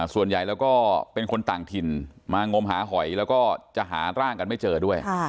ส่วนใหญ่แล้วก็เป็นคนต่างถิ่นมางมหาหอยแล้วก็จะหาร่างกันไม่เจอด้วย